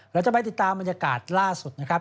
เราจะไปติดตามบรรยากาศล่าสุดนะครับ